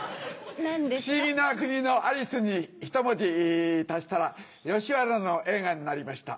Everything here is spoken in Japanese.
『不思議の国のアリス』にひと文字足したら吉原の映画になりました。